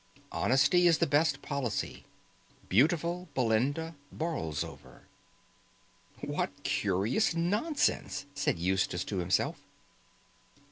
Honesty is the Best Policy. Beautiful Belinda Borlsover." "What curious nonsense!" said Eustace to himself.